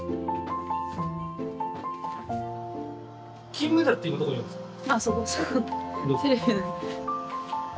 金メダルって今どこにあるんですか？